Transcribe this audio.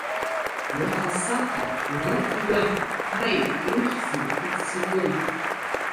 Уаха-саха, улаха-ҩаха, ҳаит, иухьзеи, уццакы!